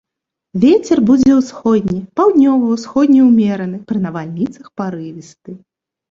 Вецер будзе ўсходні, паўднёва-ўсходні ўмераны, пры навальніцах парывісты.